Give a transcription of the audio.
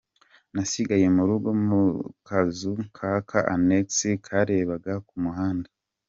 Nasigaye mu rugo mu kazu k’aka annexe karebaga ku muhanda.